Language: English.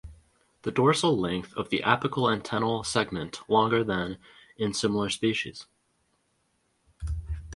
The dorsal length of the apical antennal segment longer than in similar species.